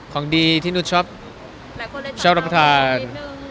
ของดีที่นุษย์ชอบรับประทาน